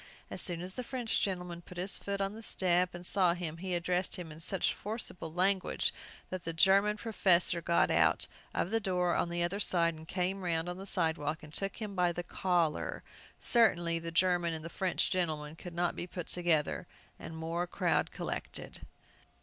As soon as the French gentleman put his foot on the step and saw him, he addressed him in such forcible language that the German professor got out of the door the other side, and came round on the sidewalk, and took him by the collar. Certainly the German and French gentlemen could not be put together, and more crowd collected!